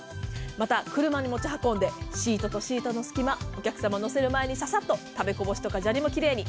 また、車に持ち運んでシートとシートの隙間お客さまを乗せる前に食べこぼしとか砂利も奇麗に。